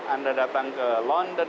anda datang ke london